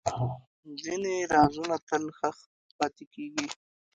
ځینې رازونه تل ښخ پاتې کېږي.